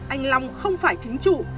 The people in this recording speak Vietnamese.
anh long không phải chính chủ